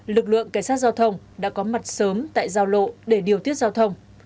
lực lượng cảnh sát giao thông đã có mặt sớm tại giao lộ để điều tiết giao thông